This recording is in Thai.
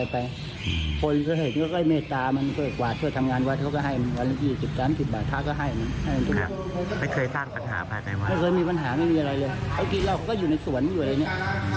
ไม่เคยมีปัญหาไม่มีอะไรเลยพระโครติเราก็อยู่ในสวนอยู่ไหน